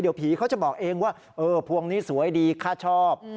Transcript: เดี๋ยวผีเขาจะบอกเองว่าพวงนี้สวยดีข้าชอบ